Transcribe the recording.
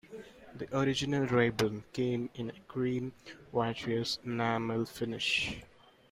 The original Rayburn came in a cream vitreous enamel finish.